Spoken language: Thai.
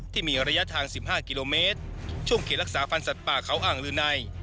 ที่มีระยะทาง๑๕กิโลเมตรช่วงเขตรักษาพันธ์สัตว์ป่าเขาอ่างลือใน